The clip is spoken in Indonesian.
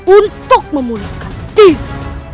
untuk memulihkan diri